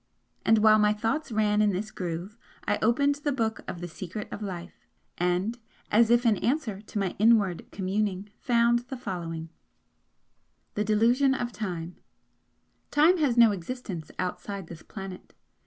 And while my thoughts ran in this groove, I opened the book of the 'Secret of Life' and as if in answer to my inward communing, found the following: THE DELUSION OF TIME "Time has no existence outside this planet.